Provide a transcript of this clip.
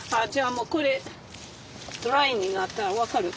もうこれドライになったら分かる。